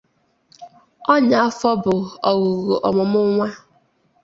Ọnya afọ bụ òghùghù ọmụmụ nwa